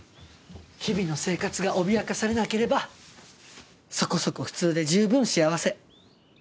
日々の生活が脅かされなければそこそこフツーで十分幸せ。